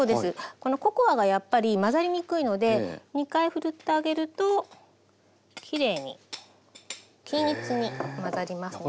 このココアがやっぱり混ざりにくいので２回ふるってあげるときれいに均一に混ざりますね。